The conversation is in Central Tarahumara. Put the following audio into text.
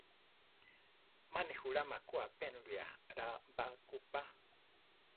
Má ne juláma ku apénulia ra ba kú pa.